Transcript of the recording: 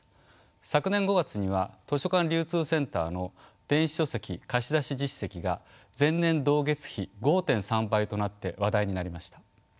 昨年５月には図書館流通センターの電子書籍貸し出し実績が前年同月比５．３倍となって話題になりました。